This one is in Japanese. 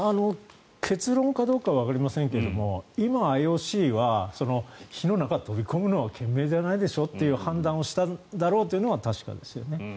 結論かどうかわかりませんけども今、ＩＯＣは火の中に飛び込むのは賢明じゃないでしょという判断をしたというのは確かですよね。